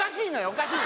おかしい。